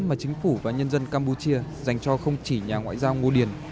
mà chính phủ và nhân dân campuchia dành cho không chỉ nhà ngoại giao ngô điền